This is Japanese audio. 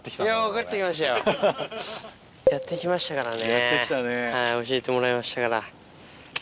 やって来たね。教えてもらいましたから。